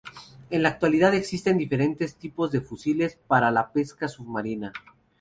En la actualidad existen diferentes tipos de fusiles para la pesca submarina.